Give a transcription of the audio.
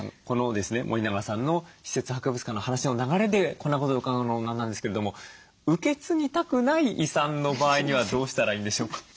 この森永さんの私設博物館の話の流れでこんなことを伺うのも何なんですけれども受け継ぎたくない遺産の場合にはどうしたらいいんでしょうか？